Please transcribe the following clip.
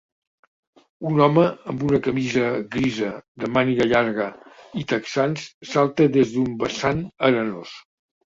Un home amb una camisa grisa de màniga llarga i texans salta des d'un vessant arenós.